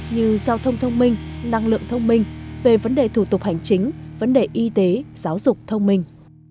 như giao thông thông minh năng lượng thông minh về vấn đề thủ tục hành chính vấn đề y tế giáo dục thông minh